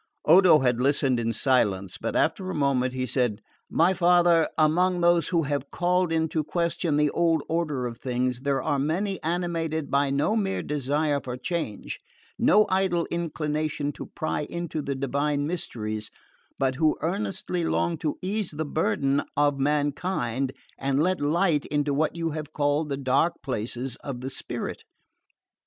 Odo had listened in silence; but after a moment he said: "My father, among those who have called in to question the old order of things there are many animated by no mere desire for change, no idle inclination to pry into the divine mysteries, but who earnestly long to ease the burden of mankind and let light into what you have called the dark places of the spirit.